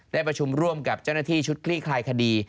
ได้ประชุมร่วมกับเจ้าหน้าที่ชุดคลี่คลายคดี